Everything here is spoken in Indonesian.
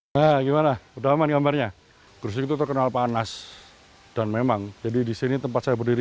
nah gimana udah aman gambarnya gresik itu terkenal panas dan memang jadi disini tempat saya berdiri